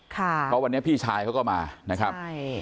เพราะวันนี้พี่ชายเขาก็มานะครับใช่